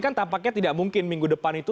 kan tampaknya tidak mungkin minggu depan itu